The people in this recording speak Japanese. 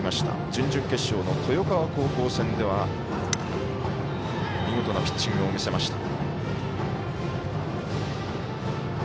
準々決勝の豊川高校戦では見事なピッチングを見せました。